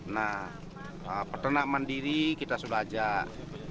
nah peternak mandiri kita sudah ajak